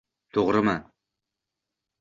to‘g‘rimi?